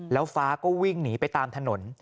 แล้วฟ้าก็วิ่งหนีไปตามถนน